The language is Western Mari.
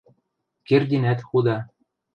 Кердинӓт худа...